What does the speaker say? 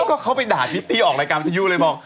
ก็เขาไปด่าพริตตี้ออกรายการวิทยุเลยบอก